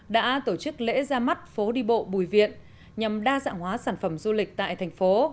đã tổ chức lễ ra mắt phố đi bộ bùi viện nhằm đa dạng hóa sản phẩm du lịch tại thành phố